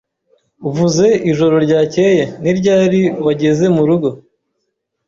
Uvuze ijoro ryakeye, ni ryari wageze murugo?